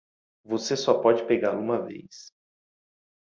Você só pode pegá-lo uma vez